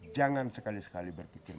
jangan sekali sekali berpikir